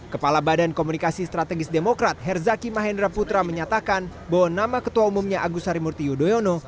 kepala badan komunikasi strategis demokrat herzaki mahendra putra menyatakan bahwa nama ketua umumnya agus harimurti yudhoyono